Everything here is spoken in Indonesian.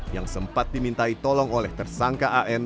yang sempat dimintai tolong oleh tersangka an